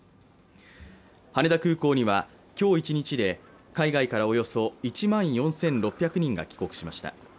羽田空港には今日一日で海外からおよそ１万４６００人が帰国しました。